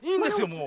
もう。